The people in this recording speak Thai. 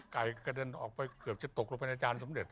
กระเด็นออกไปเกือบจะตกลงไปในจานสำเร็จ